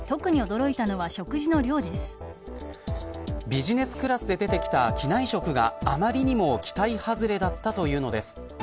ビジネスクラスで出てきた機内食があまりにも期待はずれだったというのです。